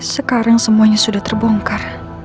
sekarang semuanya sudah terbongkar